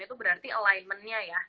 itu berarti alignmentnya ya